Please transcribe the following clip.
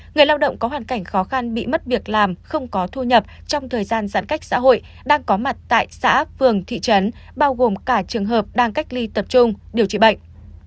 người lao động có hoàn cảnh khó khăn bị mất việc làm không có thu nhập trong thời gian giãn cách xã hội đang có mặt tại xã phường thị trấn bao gồm cả trường hợp đang cách ly tập trung điều trị bệnh